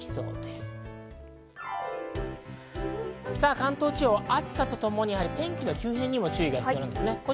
関東地方、暑さとともに天気の急変にも注意が必要です。